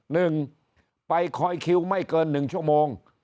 หนึ่งไปคอยคิวไม่เกินหนึ่งชั่วโมง